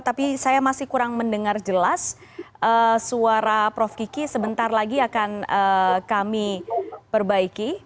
tapi saya masih kurang mendengar jelas suara prof kiki sebentar lagi akan kami perbaiki